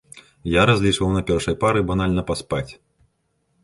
Я разлічваў на першай пары банальна паспаць.